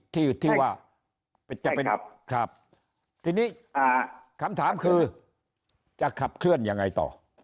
ที่ที่ว่าจะเป็นครับทีนี้คำถามคือจะขับเคลื่อนยังไงต่อ